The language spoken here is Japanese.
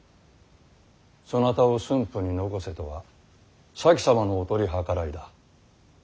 そなたを駿府に残せとは前様のお取り計らいだ。